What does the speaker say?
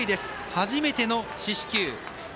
初めての四死球